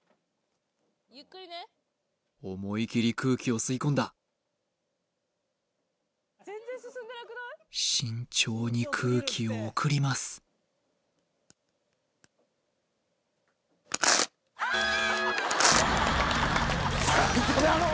思い切り空気を吸い込んだ慎重に空気を送りますウソだろおい！